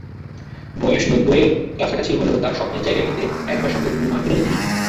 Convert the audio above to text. বয়স নব্বইয়ের কাছাকাছি হলেও তাঁর স্বপ্নের জায়গাটিতে একবার সকালে ঢুঁ মারবেনই তিনি।